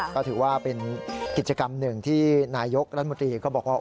ก็ถือว่าเป็นกิจกรรมหนึ่งที่นายกรัฐมนตรีก็บอกว่า